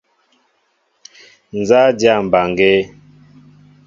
Nzá a dyâ mbaŋgēē?